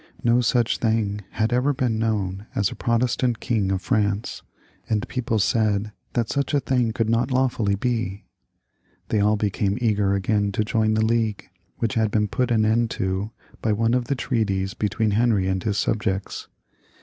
No such thing had ever been known as a Protestant King of France, and people said that such a thing coidd not lawfully be. They all became eager again to join the League, which had been put an end to by one of the treaties between Henry and his sub jects.